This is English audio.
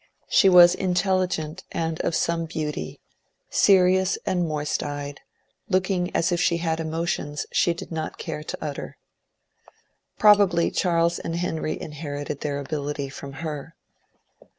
She was intelligent and of some beauty, serious and moist eyed, looking as if she had emotions she did not care to utter. Probably Charles and Henry inherited their ability from her.